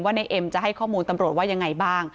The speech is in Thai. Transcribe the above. ในเอ็มจะให้ข้อมูลตำรวจว่ายังไงบ้าง